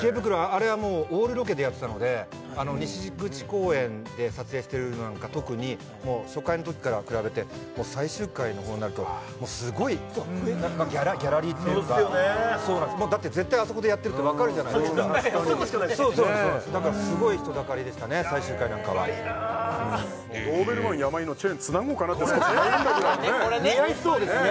あれはもうオールロケでやってたので西口公園で撮影してるのなんか特にもう初回の時から比べて最終回の方になるともうすごいギャラリーっていうかそうっすよねだって絶対あそこでやってるって分かるじゃないですかあそこしかないそうそうだからすごい人だかりでしたね最終回なんかはドーベルマン山井のチェーンつなごうかなって少し悩んだぐらいのね似合いそうですね